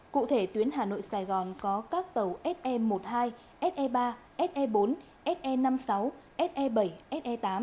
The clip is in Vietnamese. cụ thể tuyến hà nội sài gòn có các tàu se một mươi hai se ba se bốn se năm mươi sáu se bảy se tám